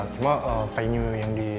cuma venue yang di